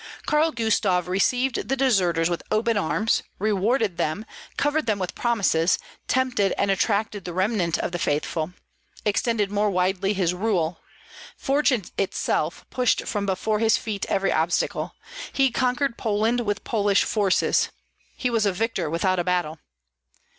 Karl Gustav received the deserters with open arms, rewarded them, covered them with promises, tempted and attracted the remnant of the faithful, extended more widely his rule; fortune itself pushed from before his feet every obstacle; he conquered Poland with Polish forces; he was a victor without a battle.